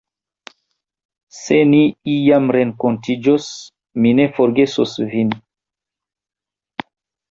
Se ni iam renkontiĝos, mi ne forgesos vin.